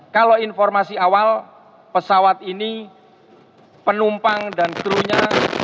kalau informasi awal pesawat ini penumpang dan krunya satu ratus delapan puluh sembilan